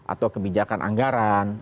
atau kebijakan anggaran